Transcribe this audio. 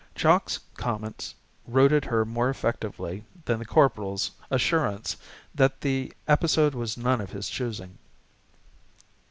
Jock's comments routed her more effectively than the Corporal's assurance that the episode was none of his choosing.